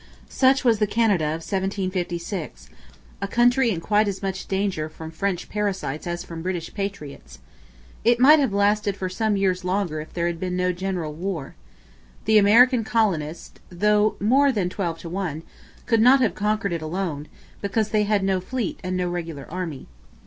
Such was the Canada of 1756, a country in quite as much danger from French parasites as from British patriots. It might have lasted for some years longer if there had been no general war. The American colonists, though more than twelve to one, could not have conquered it alone, because they had no fleet and no regular army.